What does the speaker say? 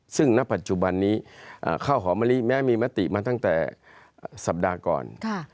ซึ่งณปัจจุบันนี้ข้าวหอมมะลิแม้มีมติมาตั้งแต่สัปดาห์ก่อน